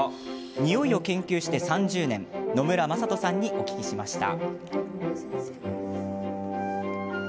ニオイを研究して３０年野村正人さんにお聞きしました。